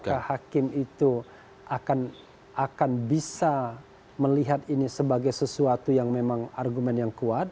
apakah hakim itu akan bisa melihat ini sebagai sesuatu yang memang argumen yang kuat